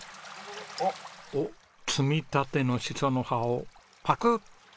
おっ摘み立てのシソの葉をパクッ。